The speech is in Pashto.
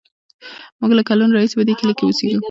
موږ له کلونو راهیسې په دې کلي کې اوسېږو.